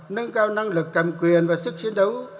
nâng cao năng lực cầm quyền và sức chiến đấu